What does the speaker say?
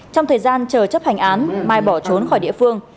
trong thời gian chờ chấp hành án mai bỏ trốn khỏi địa phương